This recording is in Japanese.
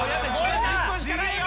１分しかないよ。